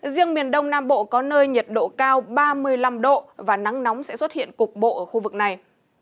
riêng miền đông nam bộ có nơi nhiệt độ cao ba mươi năm độ và nắng nóng sẽ xuất hiện cục bộ ở khu vực này